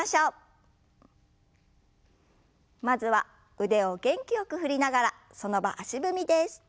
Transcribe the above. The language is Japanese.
まずは腕を元気よく振りながらその場足踏みです。